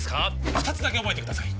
二つだけ覚えてください